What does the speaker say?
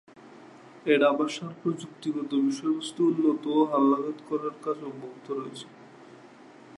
Ada ভাষার প্রযুক্তিগত বিষয়বস্তু উন্নত ও হালনাগাদ করার কাজ অব্যাহত রয়েছে।